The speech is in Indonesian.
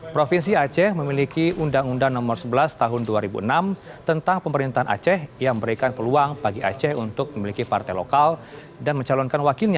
provinsi aceh memiliki undang undang nomor sebelas tahun dua ribu enam tentang pemerintahan aceh yang memberikan peluang bagi aceh untuk memiliki partai lokal dan mencalonkan wakilnya